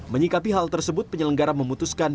menyikapi hal tersebut penyelenggara memutuskan